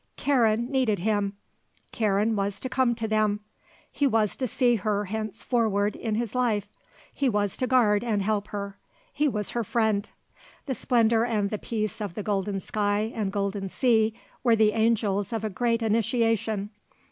Karen needed him. Karen was to come to them. He was to see her henceforward in his life. He was to guard and help her. He was her friend. The splendour and the peace of the golden sky and golden sea were the angels of a great initiation.